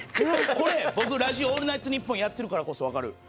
これ僕ラジオ『オールナイトニッポン』やってるからこそわかる。